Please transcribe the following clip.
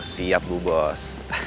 siap dulu bos